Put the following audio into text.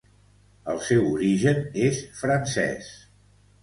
El seu origen és francès.